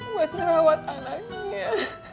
buat merawat anaknya